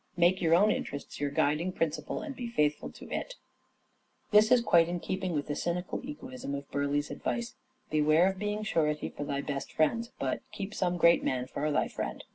Make your own interests your guiding principle, and be faithful to it." Opportunist This is quite in keeping with the cynical egoism of moraiiring. Burleigh's advice, " Beware of being surety for thy best friends "; but " keep some great man for thy friend."